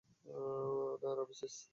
না, রামেসিস।